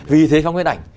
vì thế không biết ảnh